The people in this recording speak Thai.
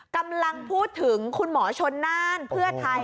กำลังพูดถึงคุณหมอชนน่านเพื่อไทย